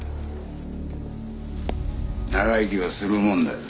長生きはするもんだぜ。